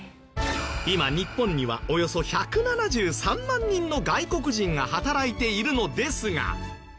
今日本にはおよそ１７３万人の外国人が働いているのですが。